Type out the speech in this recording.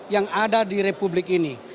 yang ada di republik ini